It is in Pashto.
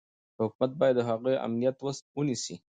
حکومت باید د هغوی امنیت ونیسي.